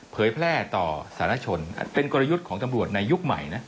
เผยแพร่ต่อสารชนเป็นกลยุทธ์ของตำรวจในยุคใหม่นะ